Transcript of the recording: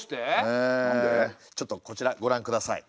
ちょっとこちらご覧下さい。